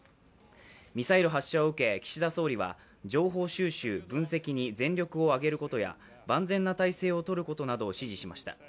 ミサイル発射を受け岸田総理は情報収集・分析に全力を挙げることや万全な態勢を取ることなどを指示しました。